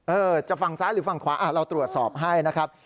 จะฝั่งซ้ายหรือฝั่งขวาเราตรวจสอบให้นะครับ